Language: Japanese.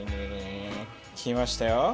きましたよ。